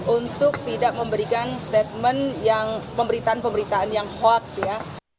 untuk tidak memberikan statement yang pemberitaan pemberitaan yang hoax ya